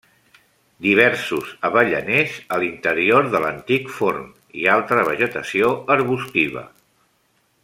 Diversos avellaners a l'interior de l'antic forn, i altra vegetació arbustiva.